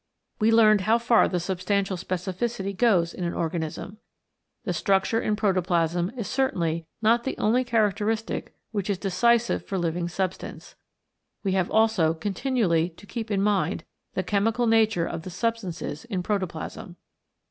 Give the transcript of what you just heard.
We learned how far the substantial specificity goes in an organism. The structure in protoplasm is certainly not the only characteristic which is decisive for living substance. We have also continually to keep in mind the chemical nature of the substances in protoplasm.